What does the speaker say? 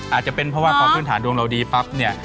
อาจจะเป็นเพราะว่าพอพื้นฐานดวงเราดีปั๊บเนี่ย